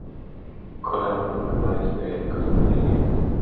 Colaboró en varios periódicos madrileños.